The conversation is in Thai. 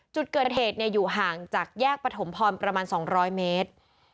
จุดเกิดเหตุอยู่ห่างจากแยกปฐมพรประมาณ๒๐๐เมตร